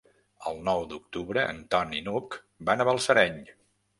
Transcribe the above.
El nou d'octubre en Ton i n'Hug van a Balsareny.